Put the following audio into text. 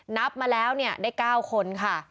นับมาแล้วเนี่ยได้๙คนค่ะ